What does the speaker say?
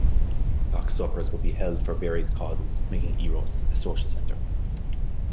Box suppers would be held for various causes, making Eros a social center.